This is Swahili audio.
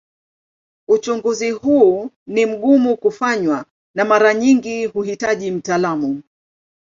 Uchunguzi huu ni mgumu kufanywa na mara nyingi huhitaji mtaalamu.